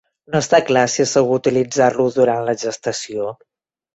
No està clar si és segur utilitzar-lo durant la gestació.